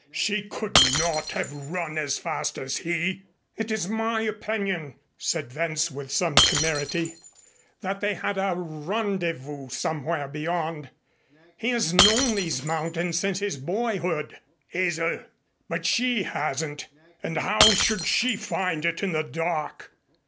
She could not have run as fast as he!" "It is my opinion," said Wentz with some temerity, "that they had a rendezvous somewhere beyond. He has known these mountains since his boyhood." "Esel! But she hasn't, and how should she find it in the dark?"